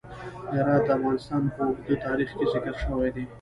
هرات د افغانستان په اوږده تاریخ کې ذکر شوی دی.